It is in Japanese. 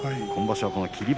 今場所、霧